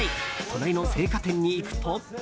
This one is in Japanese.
隣の青果店に行くと。